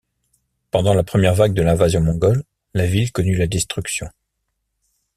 Pendant la première vague de l'invasion mongole, la ville connut la destruction.